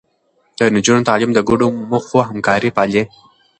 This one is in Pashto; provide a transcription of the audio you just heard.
د نجونو تعليم د ګډو موخو همکاري پالي.